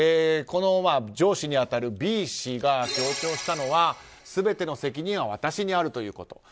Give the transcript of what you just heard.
上司に当たるＢ氏が強調したのは、全ての責任は私にあるということ。